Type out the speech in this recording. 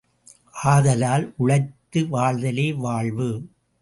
ஆதலால் உழைத்து வாழ்தலே வாழ்வு.